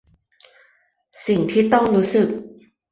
สิ่งที่ต้องรู้สึก